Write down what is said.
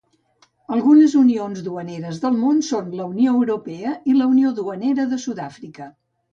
Algunes unions duaneres del món són la Unió Europea i la Unió Duanera de Sud-àfrica.